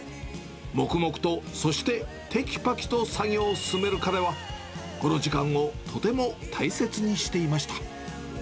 黙々とそしててきぱきと作業を進める彼は、この時間をとても大切にしていました。